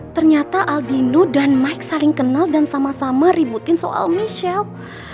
ternyata aldino dan mike saling kenal dan sama sama ributin soal michelle